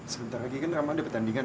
sebentar lagi kan rama ada pertandingan